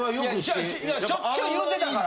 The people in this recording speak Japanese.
いやしょっちゅう言うてたから。